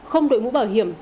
không đội mũ bảo hiểm